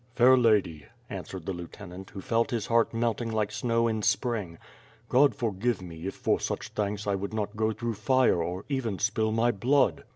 "Fair lady," answered the lieutenant, who felt his heart melting like snow in spring, "God forgive me if for such thanks I would not go through fire or even spill my blood.